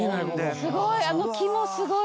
すごい。